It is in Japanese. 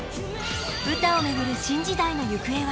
［ウタを巡る新時代の行方は？］